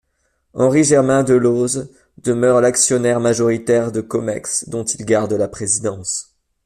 Henri Germain Delauze demeure l'actionnaire majoritaire de Comex dont il garde la présidence.